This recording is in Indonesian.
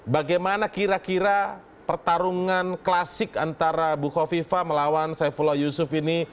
bagaimana kira kira pertarungan klasik antara bukoviva melawan saifullah yusuf ini